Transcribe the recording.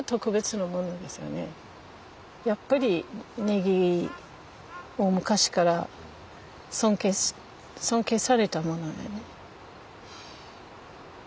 やっぱりネギは昔から尊敬されたものよね。